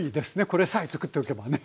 これさえ作っておけばね。